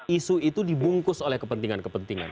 isu itu dibungkus oleh kepentingan kepentingan